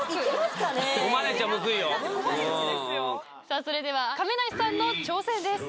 さぁそれでは亀梨さんの挑戦です。